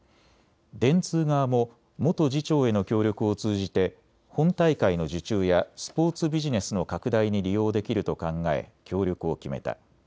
電通側も元次長への協力を通じて本大会の受注やスポーツビジネスの拡大に利用できると考え協力を決めた。